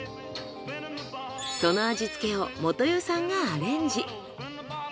その味付けを基代さんがアレンジ。